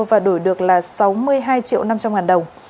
và đổi được là sáu mươi hai triệu năm trăm linh ngàn đồng